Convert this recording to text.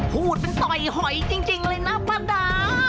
พูดเป็นต่อยหอยจริงเลยนะป้าดา